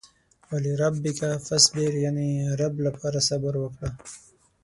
ولربک فاصبر يانې رب لپاره صبر وکړه.